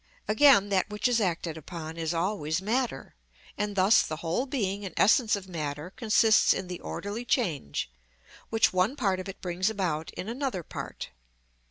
Again, that which is acted upon is always matter, and thus the whole being and essence of matter consists in the orderly change, which one part of it brings about in another part.